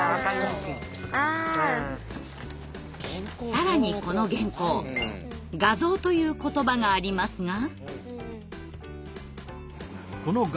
更にこの原稿「画像」という言葉がありますが。